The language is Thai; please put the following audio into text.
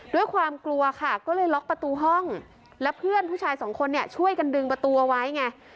ด้วยความกลัวค่ะก็เลยล็อกประตูห้องแล้วเพื่อนผู้ชายสองคนเนี่ยช่วยกันดึงประตูเอาไว้ไง